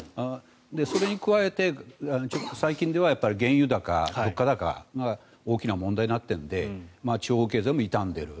それに加えて最近では原油高、物価高が大きな問題になっているので地方経済も傷んでいる。